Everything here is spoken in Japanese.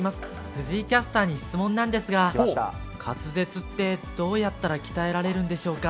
藤井キャスターに質問なんですが、滑舌ってどうやったら鍛えられるんでしょうか。